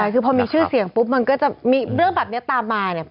คือพอมีชื่อเสียงปุ๊บมันก็จะมีเรื่องแบบนี้ตามมาเนี่ย